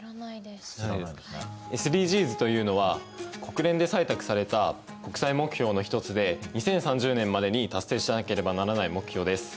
ＳＤＧｓというのは国連で採択された国際目標の一つで２０３０年までに達成しなければならない目標です。